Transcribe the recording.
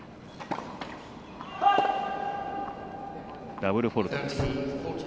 ダブルフォールトです。